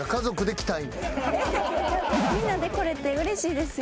みんなで来れてうれしいですよね。